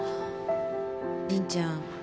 凛ちゃん。